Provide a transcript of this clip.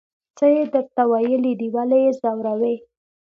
څه یې درته ویلي دي ولې یې ځوروئ.